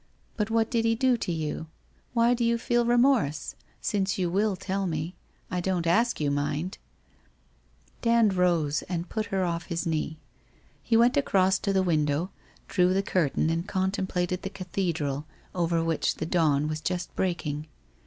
But what did he do to you ? Why do you feel remorse ? Since you will tell me. I don't ask you, mind !' Dand rose, and put her off his knee. He went across to the window, drew the curtain and contemplated the cathedral, over which the dawn was just breaking.